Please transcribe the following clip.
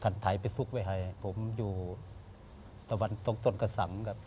ไทยไปซุกไว้ให้ผมอยู่ตะวันตกต้นกระสังครับ